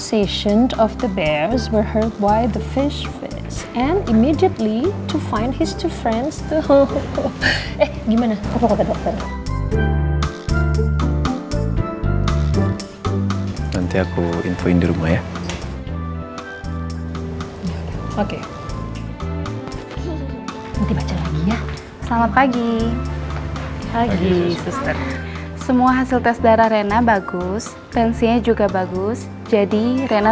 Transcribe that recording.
sampai jumpa di video selanjutnya